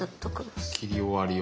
切り終わりを。